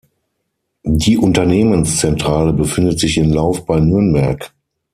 Die Unternehmenszentrale befindet sich in Lauf bei Nürnberg.